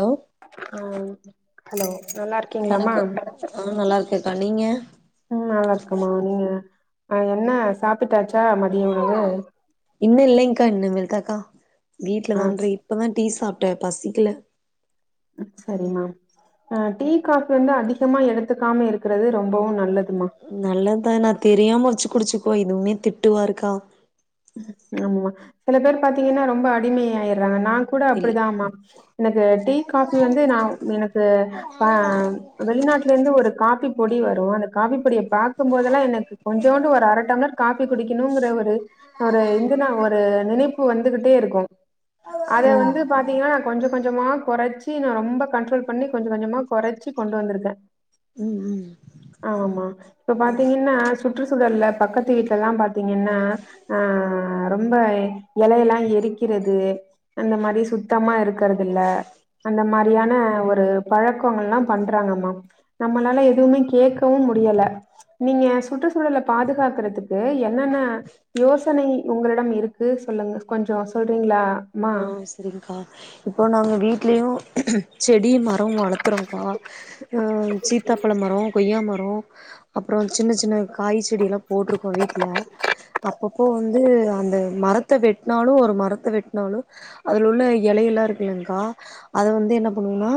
Hello ஆம் hello நல்லா இருக்கீங்களாமா வணக்கம் நா நல்லா இருக்க கா நீங்க ம்ம் நல்லா இருக்கமா நீங்க அது என்ன சாப்பிட்டாச்சா மதிய உணவு இன்னு இல்லைங்க்கா இன்னுமேல்தாக்கா ஆ வீட்லதா இன்றி இப்பதா டீ சாப் ட்டு பசிக்கல சரிமா அ டீ காபி வந்து அதிகமா எடுத்துக்காம இருக்கேறது ரொம்பவு நல்லது நல்லதா ஏன்னா அது தெரியாம ஒரு சுக்குடு சுக்கோ எதுமே திட்டுவாருக்கா ஆமா சில பேர் பாத்தீங்கன்னா ரொம்ப அடிமையாயிறாங்க நாங் கூட இல் அப்புடிதாமா எனக்கு டீ காபி வந்து நா எனக்கு அ வெளிநாட்டுல இருந்து ஒரு காபி பொடி வரு அந்த காபி பொடிய பாகும்போதெல்லா எனக்கு கொஞ்சூண்டு ஒரு அர டம்ளட் காபி குடிக்கணுங்குற ஒரு ஒரு து நா ஒரு நினைப்பு வந்துகிட்டே இருக்கு அத ம் வந்து பாத்தீங்கன்னா நா கொஞ்ச கொஞ்சமா கொறச் டீ நா ரொம்ப கண்ட்ரோல் பண்ணி கொஞ்ச கொஞ்சமா கொறச்சு கொண்டு வந்துருக்க ம் ம் ஆமா இப்ப பாத்தீங்கன்னா சுற்றுச்சூழல்ல பக்கத்து வீட்லல்ல பாத்தீங்கன்னா அ ரொம்ப எழயெல்லா எரிக்கிறது அந்த மாரி சுத்தமா இருக் இருக்கறதுல அந்த மாரியான ஒரு பழக்கோங்கல்லா பண்றாங்கம்மா நம்மளால எதுமே கேக்கவு முடியல நீங்க சுற்றுச்சூழல பாதுகாக்கறதுக்கு என்னென்ன யோசனை உங்களிடம் இருக்கு சொல்லுங்க கொஞ்சோ சொல்றீங்களா ஆ சரிங்கா இப்போ நாங்க வீட்லயு செடி மரோம் வளத்துறோங்க்கா ம் சீத்தாப்பழோ மரோ கொய்யா மர் றோ அப்பறோ சின்ன சின்ன காய் செடி எல்லா போட்டுருக்கோ வீட்ல அப்பப்போ வந்து அந்த மரத்த வெட்னாலு ஒரு மரத்த வெட் னாலு அதுலுள்ள எழையெல்லா இருக்குள்ளங்கா அத வந்து என்ன பண்ணுவோன்னா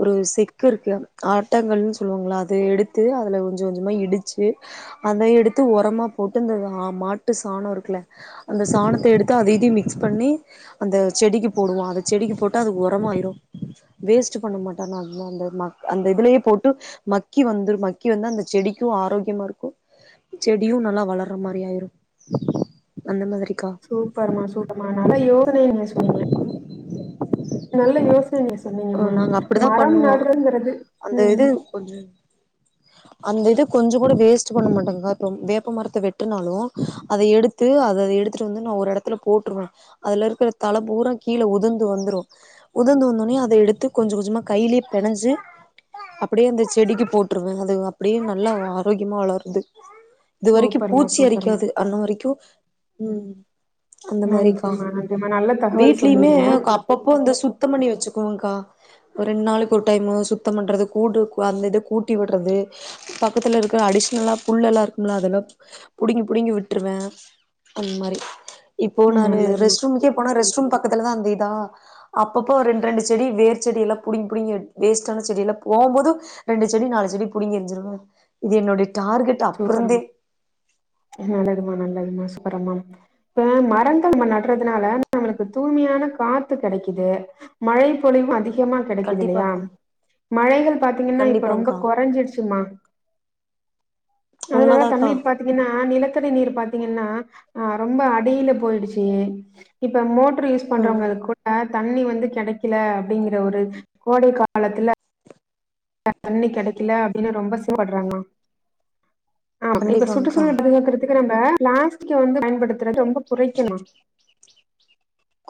ஒரு செக்கு இருக்கு ஆட்டங்கள்னு சொல்லுவாங்கள அத எடுத்து அதுல கொஞ்ச கொஞ்சமா இடுச்சு அத எடுத்து ஒரமா போட்டு அந்த மாட்டு சாணோ இருக்குல அந்த சாணத்த எடுத்து அதி இதி மிக்ஸ் பண்ணி அந்த செடிக்கு போடுவோ அந்த செடிக்கு போட்டா அது ஒரமாயிரு வேஸ்ட்டு பண்ண மாட்டானா அது அந்த ம அந்த இதுலயே போட்டு மக்கி வந்து மக்கி வந்து அந்த செடிக்கு ஆரோக்கியமா இருக்கு செடியு நல்லா வளர்ற மாரி ஆயிரு அந்த மாதிரி சூப்பர்மா சூப்பர்மா நல்லா யோ நீங்க சொன்னீங்க நல்லா யோச் சு நீ அ சொன்னீங்கம்மா நாங்க அப்படிதா மரோம் பண்ணுவோ நடுறங்குறது ம்ம் கொஞ்ச அந்த இது கொஞ்சோ கூட வேஸ்ட்டு பண்ண மாட்டாங்கா இப்போ வேப்ப மரத்த வெட்டுனாலு அத எடுத்து அத எடுத்துட்டு வந்து நா ஒரு எடத்துல போட்டுருவ அதுல இருக்கேற தல பூரா கீல உதுந்து வந்துரு உதுந்து வந்தொனயே அது அத எடுத்து கொஞ்ச கொஞ்சமா கையிலயே பெணஞ்சு அப்டியே அந்த செடிக்கு போட்டுருவ அது அப்டியே நல்லா ஆரோக்கியமா வளருது இது வரைக்கு சூப்பர்மா பூச்சி சூப்பர்மா அரிக்காது அன்ன வரைக்கு ம் அந்த மாரிக்கா நன்றிம்மா நன்றிம்மா நல்ல தகவல் வீட்லயுமே சொன்னீங்க அப்பப்போ அந்த சுத்தம் பண்ணி வெச்சுப் ஆக்கா ரெண் நாளுக்கு ஒரு டைமு சுத்தம் பண்றது கூட்டு க அந்த இத கூட்டி விட்றது பக்கத்துல இருக்குற அடிஷ்னலா புல் எல்லா இருக்கும்ல அதல்லா புடுங்கி புடுங்கி விட்ருவே அந்மாரி இப்போ ம் நானு நல்லதுமா ரெஸ்ட் ரூம்கே போன ரெஸ்ட் ரூம் பக்கத்துல தா அந்த இதா அப்பப்ப ரெண் ரெண்டு செடி வேர் செடியலா புடிங் புடுங்கி எடு வேஸ்டான செடியல்ல போம்போது ரெண்டு செடி நாலு செடி புடிங்கி எரிஞ்சிருவ இது என்னொட சூப்பருமா நல்லதுமா நல்லதுமா சூப் பரும்மா இப்ப மரங்கள் நம்ம நட்றதுனால நம்மளுக்கு தூய்மையான காத்து கெடைக்குது மழை பொழிவு அதி கமா கெடைக்குதில்லயா கண்டிப்பாக்கா மழைகள் பாத்தீங்கன்னா இப்ப ரொம்ப கண்டிப்பாங்க்கா கொறஞ்சுடுச்சும்மா அதுனால உண்மதாக்கா தண்ணீர் பாத்தீங்கன்னா நிலத்தடி நீர் பாத்தீங்கன்னா அ ரொம்ப அடியில போயிடுச்சு இப்ப மோ பர்வைஸ் ம் பண்றவுங்க அது [inaudible] தண்ணி வந்து கெடைக்கில அப்டிங்குற ஒரு கோடை காலத்துல தண்ணி கெடக்கில அப்டின்னு ரொம்ப [inaudible] ஆ இப்ப கண்டிப்பாங்க்கா சுற்றுசூழல் [unintelligible] நம் இப்ப பிளாஸ்டிக் வந்து பயன்படுத்துறது ரொம்ப குறைக்கணு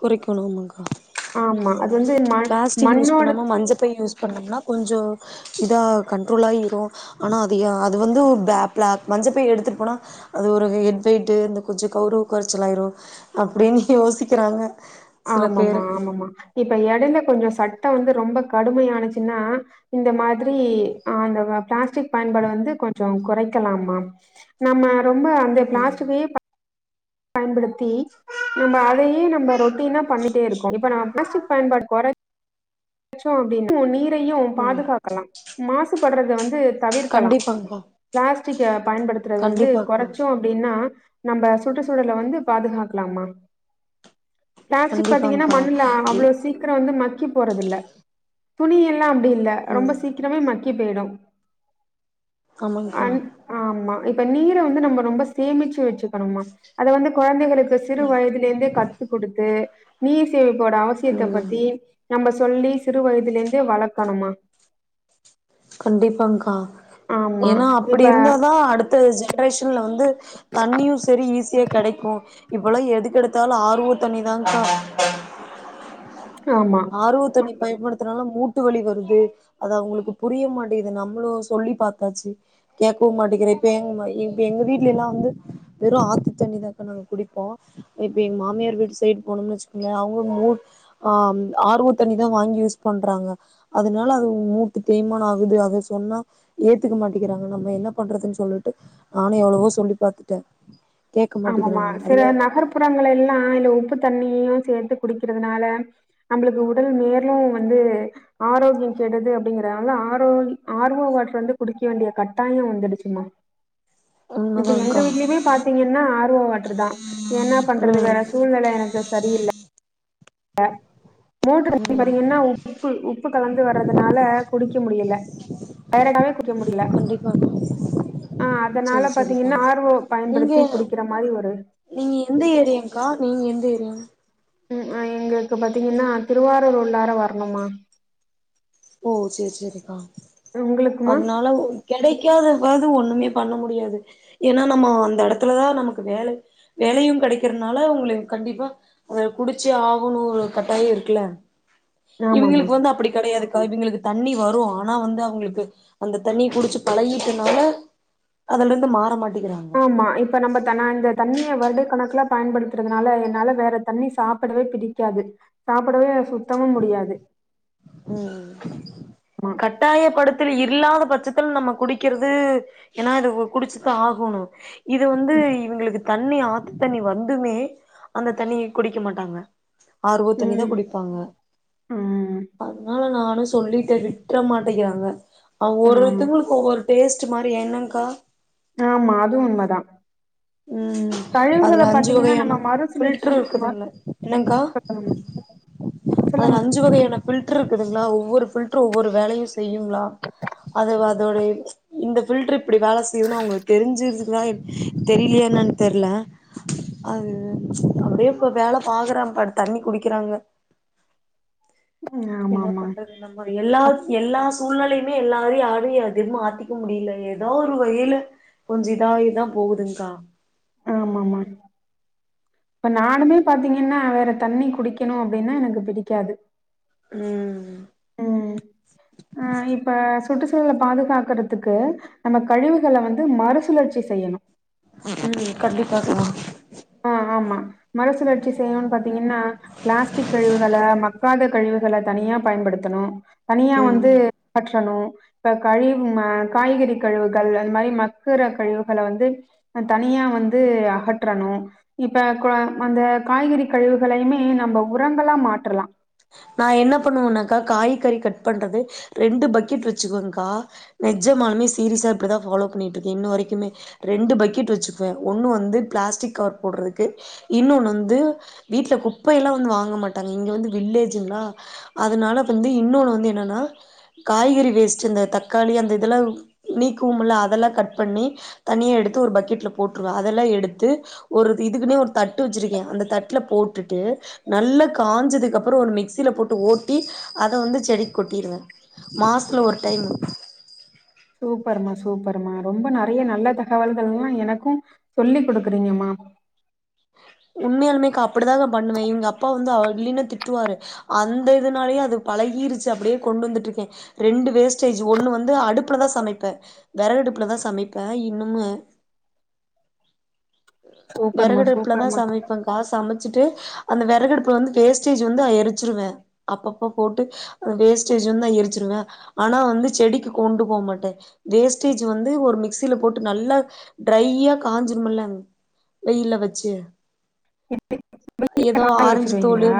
குறைக்கணு ஆமாக்கா ஆமா அது வந்து மண் பிளாஸ்டிக் யூஸ் மண்ணோட பண்ணாம மஞ்சப்பை யூஸ் பண்ணோம்னா கொஞ்சொ இதா கண்ட்ரோல் ஆயிரு ஆனா அது எ அது வந்து பா ப்ளாக் மஞ்ச பை எடுத்துட் போனா அது ஒரு ஹெட் வெயிட்டு் இந்த கொஞ்சொ கவுரவ கொரச்சல் ஆயிரு அப்டின் யோசி க்கிறாங்க ஆமம்மா ஆமம்மா இப்ப எடைல கொஞ்சொ சட்ட வந்து ரொம்ப கடுமயானுச்சுன்னா இந்த மா திரி ஆண்டவ பிளாஸ்டிக் பயன்பாடு வந்து கொஞ்சொ கொறைக்கலாமா நம்ம ரொம்ப அந்து ம் ப்ளாஸ்டிக்கயே பயன்படு த்தி நம்ப அதயே நம்ப ரொட்டீனா பண்ணிட்டே இருக்கோ இப்ப நம்ம ப்ளாஸ்டிக் பயன்பாடு கொற ச்சோ அப்டின்னா நீ ரயு ம் பாதுகாக்கலா மாசு பட்றது வந்து தவிர்க்கலா கண்டிப்பாங்க்கா பிளாஸ்டிக்க பயன்படுத்துறது வந்து கண்டிப்பாக்கா கொறச்சோ அப்டின்னா நம்ப சுட்டு சூழல வந்து பாதுகாக்லாம்மா பிளாஸ்டிக் பாத்தீங்கன்னா கண்டிப்பாங்க்கா மண்ணுல அவ்ளோ சீக்கிர வந்து மக் கி போறதில்ல துணியெல் அப்டி இல்ல ரொம்ப ம் சீக்கிரமே மக்கி கி பேடும் ஆமாங்க்கா அன் ஆம்மா இப்ப நீர வந்து நம்ம ரொம்ப சேமிச்சு வச்சுக்கணுமா அத வந்து கொழந்தைகளுக் சிறு வயதுலந்தே கத்து கொடுத்து நீர் தே இப்ப ஓட அவசியத்த ம் பத்தி நம்ப சொ சொல்லி சிறு வயதிலிந்தே வளக்கணுமா கண்டிப்பாங்க்கா ஆமா ஏனா அப்புடி இப்ப இருந்தாதா அடுத்த ஜென்ரேஷன்ல வந்து தண்ணியும் சரி ஈஸியா கெடைக்கும் இப்பல்லா எதுக்கெடுத்தாலும் ஆர்வோ தண்ணிதாக்கா ஆமா ஆர்வோ தண்ணி பயன்படுத்துறதுனால மூட் மூட்டு வலி வருது அது அவுங்களுக்கு புரிய மாட்டேங்குது நம்மளும் சொல்லி பாத்தாச்சு கேட்கவும் மாட்டேங்கிறே இப்ப எ எங்க வீட்டுல எல்லாம் வந்து வெறும் ஆத்து தண்ணிதாக்க நாங்க குடிப்போம் இப்ப எங்க மாமியார் வீட்டு சைடு போனோம்னு வச்சுக்கோங்களேன் அவங்க மூ ஆ ஆர்வோ தண்ணிதா வாங்கி யூஸ் பண்றாங்க அதனால அது மூட்டு தேய்மானம் ஆகுது அத சொன்னா ஏத்துக்கமாட்டிக்கிறாங்க நம்ம என்ன பண்றதுன்னு சொல்லிட்டு நானும் எவ்ளவோ சொல்லி பாத்துட்டே கேட்க ஆமாமா மாட்டேங்கிறாங்க சில அதுல நகர்ப்புறங்கள எல்லா இல்ல உப்பு தண்ணியையும் சேர்த்து குடிக்கிறதுனால நம்பளுக்கு உடல் மேலும் வந்து ஆரோக்கியம் கெடுது அப்படிங்கிறதுனால ஆரோ ஆர்வோ வாட்டர் வந்து குடிக்க வேண்டிய கட்டாயம் வந்துடுச்சுமா இப்ப எங்க உண்மதான்கா வீட்லயுமே பாத்தீங்கன்னா ஆர்வோ வாட்ருதா என்ன பண்றது வேற ம் சூழ்நிலை எனக்கு சரியில்ல அ மோட்டரு [unintelligible] பாத்தீங்கன்னா உப்பு உப்பு கலந்து வர்றதுனால குடிக்க முடியல டயாடா ஆயிட்டவே கு கண்டிப்பா ஆ செரி அதனால செரிக்கா பாத்தீங்கன்னா ஆர் ஓ நீங்க பயன்படுத்தி குடிக்கிற மாரி ஒரு நீங்க எந்த ஏரியாக்கா நீங்க எந்த ஏரியா ம் அ எங்களுக்கு பாத்தீங்கன்னா திருவாரூர் உள்ளார வரணும்மா ஓ சேரி சேரிக்கா உங்களுக்குமா அதனால ஒ கெடைக் கெடைக்காதாவது ஒண்ணுமே பண்ண முடியாது ஏனா நம்ம அந்த இடத்துலதா நமக்கு வேல வேலையும் கிடைக்கறதுனால உங்களுக் கண்டிப்பா அத குடிச்சே ஆகணும் ஒரு கட்டாய இருக்குல ஆமாமா இவிங்களுக்கு வந்து அப்படி கெடையாது அவிங்களுக்கு தண்ணி வரும் ஆனா வந்து அவுங்களுக்கு அந்த தண்ணி குடிச்சு பழகிட்டனால அதுலந்து மாற மாட் ப்ப ம்மா இப்ப நம்ப தண இந்த தண்ணிய வருட கணக் கு பயன்படுத்துறதுனால என்னால வேற தண்ணி சாப்படவே பிடிக்காது சாப்புடவே சுத் தம்மா முடியாது ம் ஆமா கட்டாய படுத்தில் இல்லாவ் த பட்சத்துல நம்ம குடிக்கிறது ஏனா இது குடிச்சுதா ஆகணும் இது வந்து ம் இவுங்களுக்கு தண்ணி ஆத்து தண்ணி வந்துமே அந்த தண்ணிய குடிக்க மாட்டாங்க ஆர்வோ தண்ணிதான் ம் குடிப்பாங்க ம். அதனால நானும் சொல்லிட்டு விட்ற மாட்டேங்கிறாங்க அவ்வொரு ஆமா ஒருத்தவங்களுக்கு ஒவ்வொரு டேஸ்ட் ச்சமாரி என்னங்கா ஆமா அது உண்மதான் ம் அதுல அஞ்சு வகையான நம்ம மறுசுழற்சி ஃபில்டர் ம இருக்குதுல்ல என்னங்கா சொல்லுங்க அதுல சொல்லுங்க அஞ்சு வகையான ஃபில்டரு இருக்குதுங்களா ஒவ்வொரு ஃபில்ட்டரு ஒவ்வொரு வேலையும் செய்யுங்களா அது அதோட இந்த பில்டரு இப்படி வேல செய்யுன்னு அவங்களுக்கு தெரிஞ்சிருதா எப் தெரிலியா என்னான்னு தெர்ல அது அப்டே இப்ப வேல பாக்குறேன்ப்பா தண்ணி குடிக்கிறாங்க ம் ஆமா என்ன ஆமா பண்றது நம்ம எல்லா எல்லா சூழ்நெலையுமே எல்லாரையும் யாரையும் எதிர் மாத்திக்க முடியல எதா ஒரு வயில கொஞ்சி இதாயிதான் போகுதுங்கா ஆமா ஆமா இப்ப நானுமே பாத்தீங்கன்னா வேற தண்ணி குடிக்கணும் அப்படின்னா எனக்கு பிடிக்காது ம் சுற்றுச்சூழலை பாதுகாக்கறதுக்கு நம்ம கழிவுகளை வந்து மறுசுழற்சி செய்யணும் ம் கண்டிப்பா கா ஆ ஆமா மறுசுழற்சி செய்யணும்னு பாத்தீங்கன்னா கழிவுகளை தனியா பயன்படுத்தணும் தனியா ம் வந்து ம் கற்றணும் இப்ப கழிவு மா காய்கறி கழிவுகள் அந்த மாரி மக்கற கழிவுகள வந்து தனியா வந்து அகற்றணும் இப்ப க அந்த காய்கறி கழிவுகளையுமே நம்ம உரங்கலா மாற்றலாம் நான் என்ன பண்ணுவனாக்கா காய்கறி கட் பண்றது ரெண்டு பக்கெட் வச்சுக்குவேக்கா நெஜமாலுமே சீரியஸா இப்டிதான் ஃபாலோ பண்ணிட்டு இருக்கன் இன்னோ வரைக்குமே ரெண்டு பக்கெட் வச்சுக்குவேன் ஒன்னு வந்து பிளாஸ்டிக் கவர் போடுறதுக்கு இன்னொன்னு வந்து வீட்ல குப்பையல்லாம் வந்து வாங்க மாட்டாங்க இங்க வந்து வில்லேஜங்களா அதனால வந்து இன்னொன்னு வந்து என்னன்னா காய்கறி வேஸ்ட் அந்த தக்காளி அந்த இதெல்லாம் நீக்குவும் இல்ல அதெல்லாம் கட் பண்ணி தனியா எடுத்து ஒரு பக்கெட்ல போட்டுருவன் அதெல்லாம் எடுத்து ஒரு இதுக்குன்னே ஒரு தட்டு வச்சிருக்கேன் அந்த தட்ல போட்டுட்டு நல்லா காஞ்சதுக்கு அப் புறம் ஒரு மிக்சில போட்டு ஓட்டி அத வந்து செடிக்கு கொட்டிருவேன் மாசத்துல ஒரு டைமு சூப்பர்மா சூப்பருமா ரொம்ப நறையா நல்ல தகவல்கள்லாம் எனக்கும் சொல்லிக் கொடுக்குறீங்கமா உண்மையாலுமேக்கா அப்படிதாக்கா பண்ணுவேன் எங்க அப்பா வந்து அவ இல்லின்னா திட்டுவாரு அந்த இதுனாலயே அது பழகிருச்சி அப்டே கொண்டு வந்துட்டு இருக்கேன் ரெண்டு வேஸ்டேஜ் ஒண்ணு வந்து அடுப்புலதான் சமைப்பேன் வெறகு அடுப்புலதான் சமைப்பேன் இன்னுமே வெறகு சூப்பர்மா அடுப்லதான் சூப்பர்மா சமைப்பேங்க்கா சமை ச்சிட்டு அந்த வெறகடுப்புல வந்து வேஸ்டேஜ் வந்து எரிச்சிருவேன் அப்பப்ப போட்டு வேஸ்டேஜ் வந்து எரிச்சிருவேன் ஆனா வந்து செடிக்கு கொண்டு போமாட்டேன் வேஸ்டேஜ் வந்து ஒரு மிக்சில போட்டு நல்லா டிரையா காஞ்சிரும்மில்ல வெயில வச்சி இப்டி ஏதோ காய ஆரஞ்சு தோளு வச்சிருவீங்களா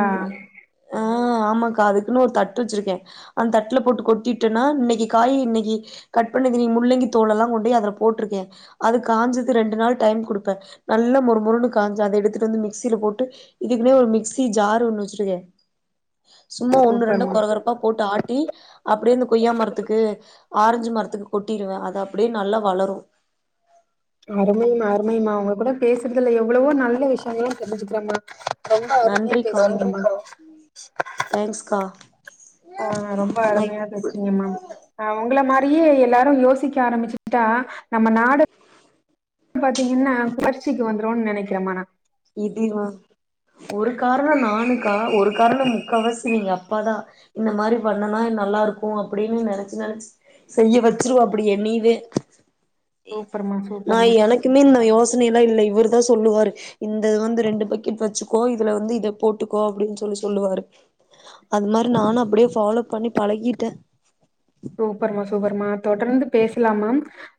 ஆ ஆமா கா அதுக்குன்னு ஒரு தட்டு வச்சிருக்கேன் அந்த தட்டுல போட்டு கொட்டிட்டேன்னா இன்னைக்கு காய இன்னைக்கு கட் பண்ணது முள்ளங்கி தோளலாம் கொண்டி அதுல போட்டுருக்கேன் அது காஞ்சது ரெண்டு நாள் டைம் குடு ப்ப நல்ல மொரு மொருன்னு காஞ்ச அத எடுத்துட்டு வந்து மிக்சில போட்டு இதுக்குன்னே ஒரு மிக்சி ஜார் ஒன்னு வச்சுருக்கேன் சும்மா ஒண்ணு ரெண்டு சூப்பர்மா கொரகொரப்பா போட்டு ஆட்டி அப்டேயே இந்த கொய்யா மரத்துக்கு ஆரஞ்சு மரத் துக்கு கொட்டிருவேன் அது அப்படே நல்லா வளரும் அருமைமா அருமைமா உங்க கூட பேசுறதுல எவ்வளவோ நல்ல விஷியங்கள் எல்லாம் தெரிஞ்சிக்கிறேமா ரொம்ப அருமையா நன்றிக்கா பேசறிங்கம்மா தேங்க்ஸ்கா ஆ ரொம்ப அருமையா நா இருந்துச்சிங்கம்மா ஆ ஒங்கள மாரி ரியே எல்லாரும் யோசிக்க ஆரம்பிச்சிகிட்டா நம்ம நாடு பாத்தீங்கன்னா பரிச்சிக்கு வந்து து நெனைக்கிறமா நா இதேதா ஒரு காரணோ நானுக்கா ஒரு காரணோ முக்காவாசி இவிங்க அப்பாதா இந்த மாரி பண்ணுனா நல்லா இருக்கு அப்டின்னு நெனைச்சு நெனைச்சு செய்ய வெச்சுருவா அப்படியே நீவே ஏ சூப்பர்மா நா சூப்பர்மா எனக்குமே இந்த யோஸ் யோசனை எல்லா இல்ல இவருதா சொல்லுவாரு இந்தது வந்து ரெண்டு பக்கெட் வச்சுக்கோ இதுல வந்து இத போட்டுக்கோ அப்டின் சொல்லி சொல்லுவாரு அது மாரி நானு அப்டியே ஃப்பாலோ பண்ணிப் பழகிட்ட சூப்பர்மா சூப்பர்மா தொடர்ந்து பேசலாமா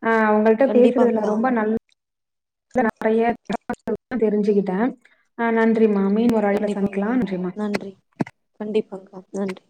ஆ அவங்கள்ட்ட பேசுறதுல கண்டிப்பாங்க்கா ரொம்ப நல்ல நறையா தெரிஞ்சுக்கிட்டேன ஆ நன்றிம்மா இன்னொரு அழைப்புல சந்திக்கலா கண்டிப்பாங்க்கா நன்றிமா பாக்கா நன்றி